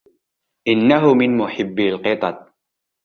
إنه من محبي القطط.